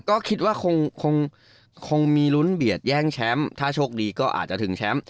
ก็คิดว่าคงมีลุ้นเบียดแย่งแชมป์ถ้าโชคดีก็อาจจะถึงแชมป์